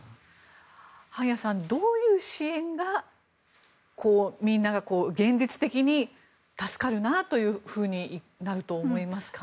萩谷さん、どういう支援がみんなが現実的に助かるなというふうになると思いますか？